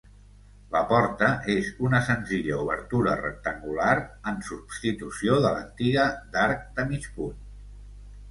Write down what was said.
La porta és una senzilla obertura rectangular en substitució de l'antiga d'arc de mig punt.